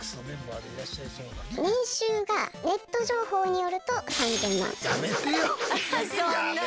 年収がネット情報によると３，０００万。